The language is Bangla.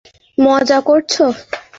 দেখো, তুমি কি মজা করছো?